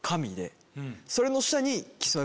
それの下に。